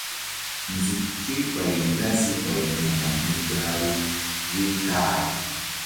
Nzuk ké ɓay ndazi ɓay Mo̧ko hi̧ gahru ye ta-a.